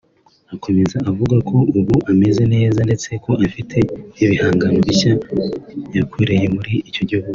Akomeza avuga ko ubu ameze neza ndetse ko afite ibihangano bishya yakoreye muri icyo gihugu